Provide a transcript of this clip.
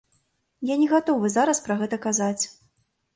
Я не гатовы зараз пра гэта казаць.